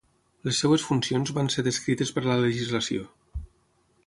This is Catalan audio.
Les seves funcions van ser descrites per la legislació.